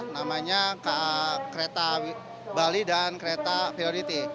namanya kereta bali dan kereta priority